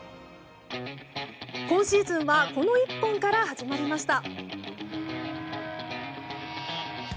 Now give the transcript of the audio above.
今シーズンはこの１本から始まりました。